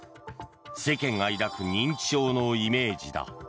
世間が抱く認知症のイメージだ。